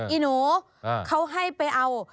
อีหนูเขาให้ไปเอา